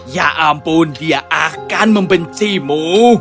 ya ampun dia akan membencimu